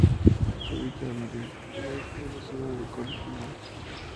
Se ubica al oeste de la ciudad de Corinto.